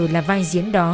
là vai diễn đó